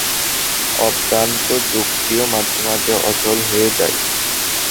অভ্রান্ত যুক্তিও মাঝে-মাঝে অচল হয়ে যায়।